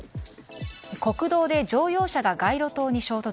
国道で乗用車が街路灯に衝突。